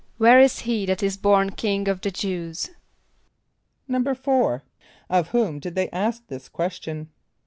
="Where is he that is born King of the Jew[s+]?"= =4.= Of whom did they ask this question?